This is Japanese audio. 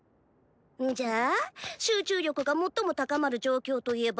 んじゃ集中力が最も高まる状況といえば？